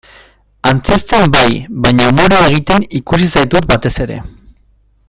Antzezten bai, baina umorea egiten ikusi zaitut batez ere.